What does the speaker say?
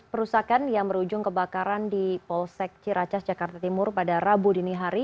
perusakan yang berujung kebakaran di polsek ciracas jakarta timur pada rabu dini hari